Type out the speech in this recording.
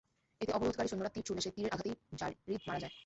এতে অবরোধকারী সৈন্যরা তীর ছুঁড়লে সে তীরের আঘাতেই যারীদ মারা যায়।